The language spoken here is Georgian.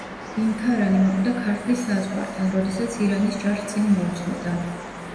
ბინქარანი მოკვდა ქართლის საზღვართან, როდესაც ირანის ჯარს წინ მოუძღოდა.